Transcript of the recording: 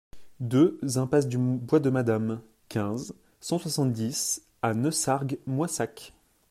deux impasse du Bois de Madame, quinze, cent soixante-dix à Neussargues-Moissac